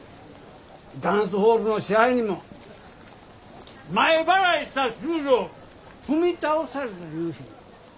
ダンスホールの支配人も前払いした給料踏み倒されたいうし。